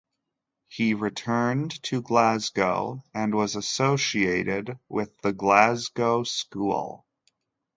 He returned to Glasgow and was associated with the Glasgow School.